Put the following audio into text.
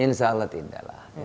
insya allah tidak lah